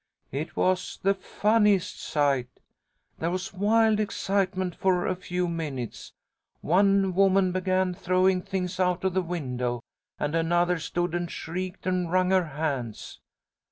It was the funniest sight! There was wild excitement for a few minutes. One woman began throwing things out of the window, and another stood and shrieked and wrung her hands.